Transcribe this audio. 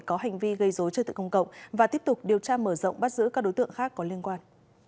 có hành vi gây dối trật tự công cộng và tiếp tục điều tra mở rộng bắt giữ các đối tượng khác có liên quan